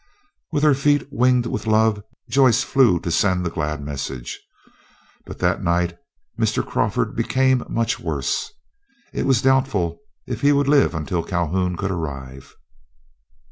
With her feet winged with love Joyce flew to send the glad message. But that night Mr. Crawford became much worse. It was doubtful if he would live until Calhoun could arrive.